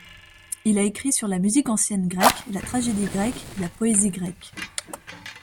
Il a écrit sur la musique ancienne grecque, la tragédie grecque, la poésie grecque.